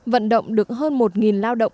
vận động được hơn một lao động